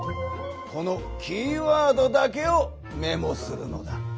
このキーワードだけをメモするのだ。